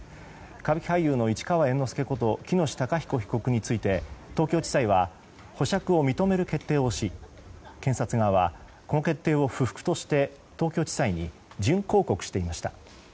歌舞伎俳優の市川猿之助こと喜熨斗孝彦被告について東京地裁は保釈を認める決定をし検察側はこの決定を不服として東京地裁に準抗告していました。